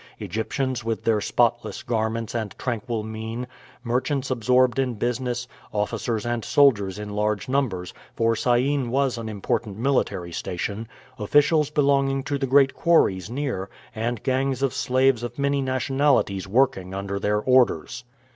Egyptians with their spotless garments and tranquil mien; merchants absorbed in business; officers and soldiers in large numbers, for Syene was an important military station; officials belonging to the great quarries near, and gangs of slaves of many nationalities working under their orders.